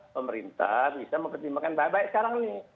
pemerintah bisa mempertimbangkan baik baik sekarang nih